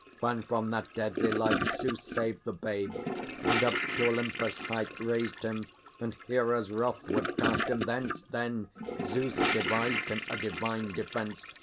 When from that deadly light Zeus saved the babe, and up to Olympus' height Raised him, and Hera's wrath would cast him thence, Then Zeus devised him a divine defence.